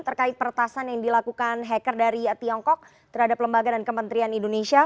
terkait pertasan yang dilakukan hacker dari tiongkok terhadap lembaga dan kementerian indonesia